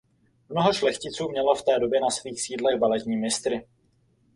Mnoho šlechticů mělo v té době na svých sídlech baletní mistry.